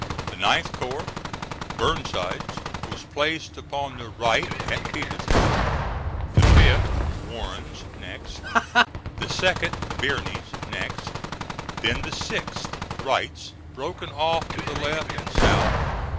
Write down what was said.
The 9th corps, Burnside's, was placed upon the right at Petersburg; the 5th, Warren's, next; the 2d, Birney's, next; then the 6th, Wright's, broken off to the left and south.